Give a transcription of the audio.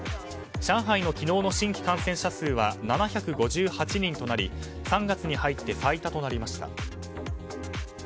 上海の昨日の新規感染者数は７５８人となり３月に入って最多となりました。